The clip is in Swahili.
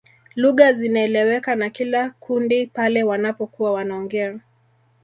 Lugha zinaeleweka na kila kundi pale wanapokuwa wanaongea